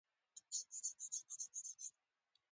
خور د زحمت خوښونکې نه ده، خو صبر کوي.